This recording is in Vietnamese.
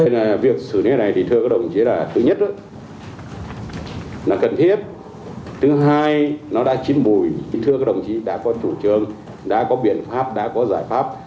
nó cần thiết thứ hai nó đã chín bùi thưa các đồng chí đã có chủ trương đã có biện pháp đã có giải pháp